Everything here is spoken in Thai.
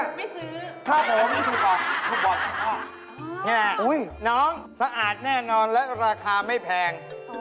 นี่น้องสะอาดแน่นอนและราคาไม่แพง